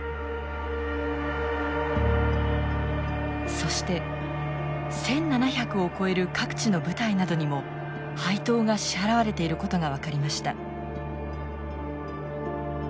そして１，７００を超える各地の部隊などにも配当が支払われていることが分かりました。